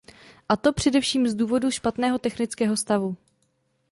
A to především z důvodu špatného technického stavu.